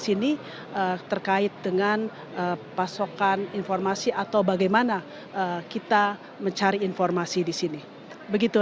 sini terkait dengan pasokan informasi atau bagaimana kita mencari informasi di sini begitu